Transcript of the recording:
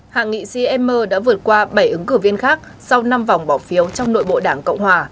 hạ nghị sĩ emmer đã vượt qua bảy ứng cử viên khác sau năm vòng bỏ phiếu trong nội bộ đảng cộng hòa